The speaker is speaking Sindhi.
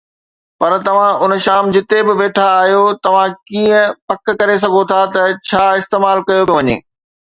پر توهان ان شام جتي به ويٺا آهيو، توهان ڪيئن پڪ ڪري سگهو ٿا ته ڇا استعمال ڪيو پيو وڃي؟